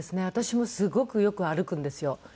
私もすごくよく歩くんですよ。